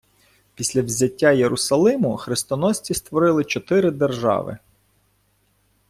Після взяття Єрусалиму хрестоносці створили чотири держави.